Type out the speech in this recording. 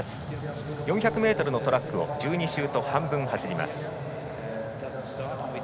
４００ｍのトラックを１２周半走ります。